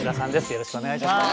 よろしくお願いします！